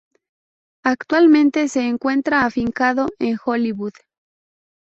Actualmente se encuentra afincado en Hollywood.